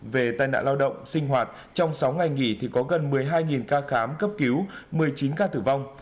về tai nạn lao động sinh hoạt trong sáu ngày nghỉ thì có gần một mươi hai ca khám cấp cứu một mươi chín ca tử vong